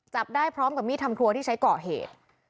จับได้พร้อมกับมีดทำครัวที่ใช้ก่อเหตุ